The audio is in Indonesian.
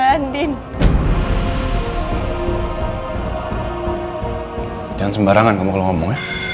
karena nino nikah sama mbak andin